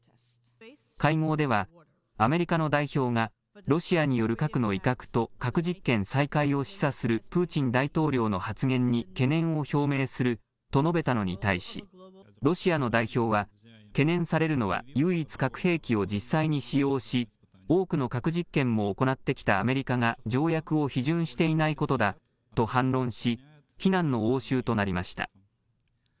会合ではアメリカの代表がロシアによる核の威嚇と核実験再開を示唆するプーチン大統領の発言に懸念を表明すると述べたのに対しロシアの代表は懸念されるのは唯一、核兵器を実際に使用し多くの核実験も行ってきたアメリカが条約を批准していないことだと反論し非難の応酬となりました。